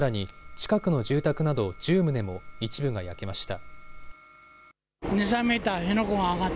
近くの住宅など１０棟も一部が焼けました。